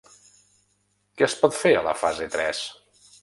Què es pot fer a la fase tres?